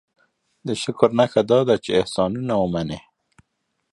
دې شکر نښه دا ده چې احسانونه ومني.